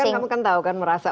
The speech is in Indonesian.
tapi kamu kan tau kan merasa